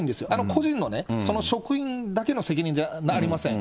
個人のね、その職員だけの責任じゃありません。